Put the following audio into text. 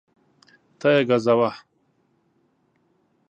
ته یې ګزوه